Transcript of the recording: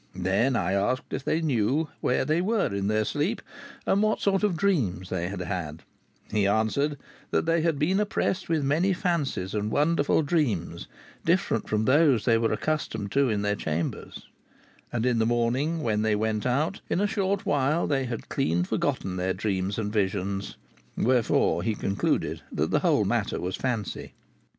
Then I asked if they knew where they were in their sleep, and what sort of dreams they had had; he answered that they had been oppressed with many fancies and wonderful dreams, different from those they were accustomed to in their chambers; and in the morning when they went out, in a short while they had clean forgotten their dreams and visions; wherefore he concluded that the whole matter was fancy."